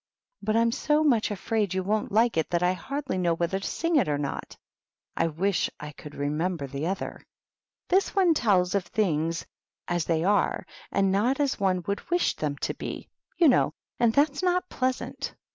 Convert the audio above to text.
" But I'm so much afraid you won't like it that I hardly know whether to sing it or not. I wish I could re member the other. This one tells of things as 112 THE WHITE KNIGHT. they are, and not as one would wish them to be, you know ; and that's not pleasant."